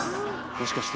もしかして。